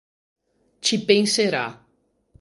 Ci penserà.